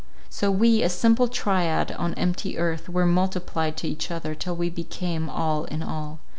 So we, a simple triad on empty earth, were multiplied to each other, till we became all in all.